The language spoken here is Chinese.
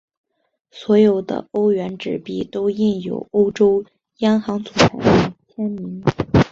所有的欧元纸币都印有欧洲央行总裁的签名。